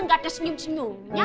enggak ada senyum senyumnya